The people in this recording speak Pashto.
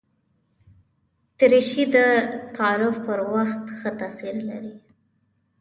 دریشي د تعارف پر وخت ښه تاثیر لري.